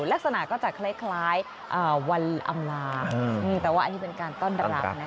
ลักษณะก็จะคล้ายวันอำลาแต่ว่าอันนี้เป็นการต้อนรับนะคะ